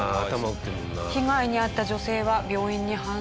被害に遭った女性は病院に搬送されました。